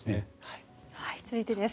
続いてです。